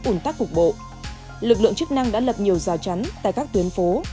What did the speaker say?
ủn tắc cục bộ lực lượng chức năng đã lập nhiều rào chắn tại các tuyến phố